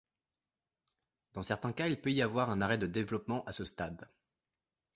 Dans certains cas, il peut y avoir un arrêt de développement à ce stade.